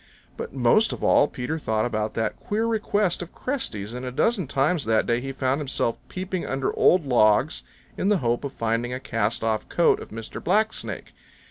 But most of all Peter thought about that queer request of Cresty's, and a dozen times that day he found himself peeping under old logs in the hope of finding a cast off coat of Mr. Black Snake.